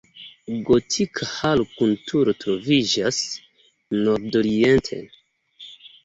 Gotika halo kun turo troviĝas nordoriente.